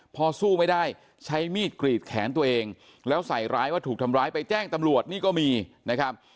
พอสู้ไม่ได้ใช้มีดกรีดแขนตัวเองแล้วใส่ร้ายว่าถูกทำร้ายไปแจ้งตำรวจนี่ก็มีนะครับ